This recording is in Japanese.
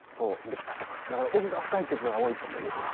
だから奥が深い曲が多いともいえる。